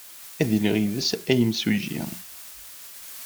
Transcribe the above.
Ad iliɣ yid-s a imsujji.